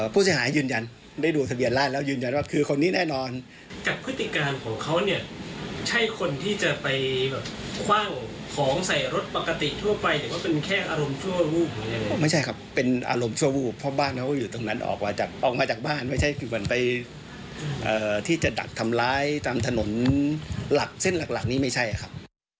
บ้านแล้วอยู่ตรงนั้นออกมาจากออกมาจากบ้านไม่ใช่คือมันไปเอ่อที่จะดักทำร้ายตามถนนหลักเส้นหลักหลักนี้ไม่ใช่ครับ